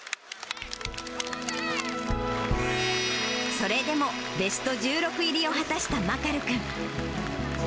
それでも、ベスト１６入りを果たしたマカル君。